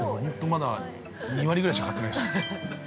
まだ、２割ぐらいしか買ってないです。